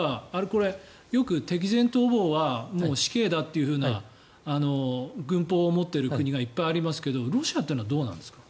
これ、よく敵前逃亡はもう死刑だというふうな軍法を持っている国がいっぱいありますけどロシアっていうのはどうなんですか？